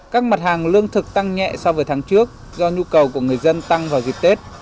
các mặt hàng lương thực tăng nhẹ so với tháng trước do nhu cầu của người dân tăng vào dịp tết